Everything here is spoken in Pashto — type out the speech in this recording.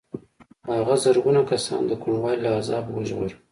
هغه زرګونه کسان د کوڼوالي له عذابه وژغورل.